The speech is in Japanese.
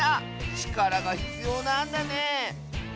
ちからがひつようなんだね